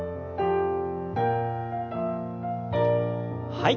はい。